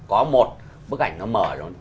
có một bức ảnh nó mở